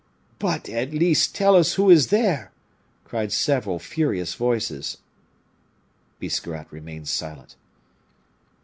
"But, at least, tell us who is there?" cried several furious voices. Biscarrat remained silent.